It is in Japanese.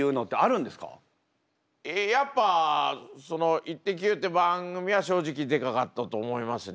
やっぱ「イッテＱ！」って番組は正直でかかったと思いますね。